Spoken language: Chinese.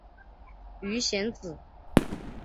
鱼显子